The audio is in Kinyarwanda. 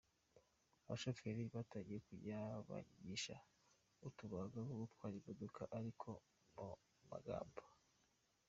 Abashoferi batangiye kujya banyigisha utubanga two gutwara imodoka ariko mu magambo.